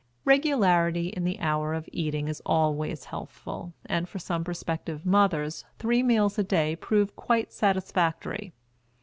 Regularity in the hour of eating is always healthful, and for some prospective mothers three meals a day prove quite satisfactory.